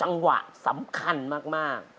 ร้องสิทธิ์สุดท้าย